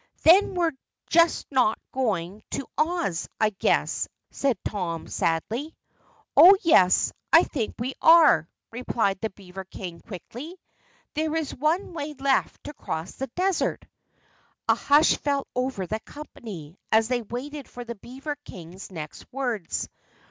"Then we're just not going to Oz, I guess," said Tom sadly. "Oh, yes, I think we are," replied the beaver King quickly. "There is one way left to cross the Desert." A hush fell over the company as they waited for the beaver King's next words.